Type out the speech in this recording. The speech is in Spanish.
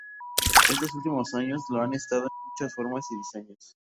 Estos últimos años, lo han estado en muchas formas y diseños.